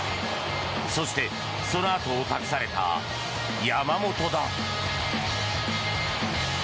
そして、そのあとを託された山本だ。